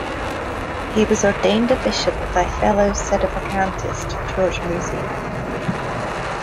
He was ordained a bishop by fellow sedevacantist George Musey.